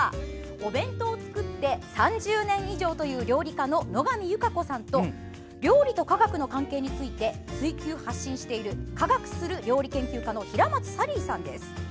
お弁当を作って３０年以上という料理家の野上優佳子さんと料理と科学の関係について追求・発信している科学する料理研究家の平松サリーさんです。